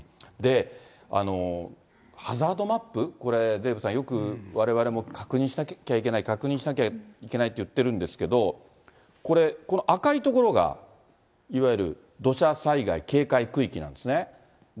ハザードマップ、デーブさん、よくわれわれも確認しなきゃいけない、確認しなきゃいけないって言ってるんですけど、この赤い所がいわゆる土砂災害警戒区域なんですね。